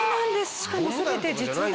しかも全て実弾。